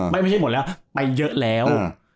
ไม่ใช่หมดแล้วไปเยอะแล้ว